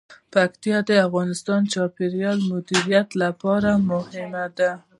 پکتیکا د افغانستان د چاپیریال د مدیریت لپاره مهم دي.